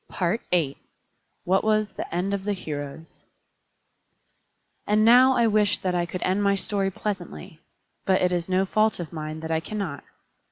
PART VI What Was the End of the Heroes And now I wish that I could end my story pleasantly; but it is no fault of mine that I cannot.